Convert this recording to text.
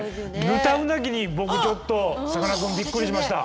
ヌタウナギに僕ちょっとさかなクンびっくりしました。